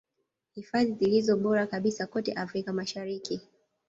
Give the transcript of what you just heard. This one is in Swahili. Hifadhi zilizo bora kabisa kote Afrika Mashariki